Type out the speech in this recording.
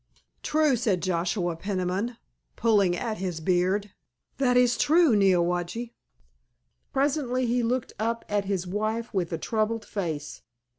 "True," said Joshua Peniman, pulling at his beard, "that is true, Neowage." Presently he looked up at his wife with a troubled face.